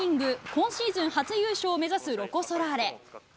今シーズン初優勝を目指すロコ・ソラーレ。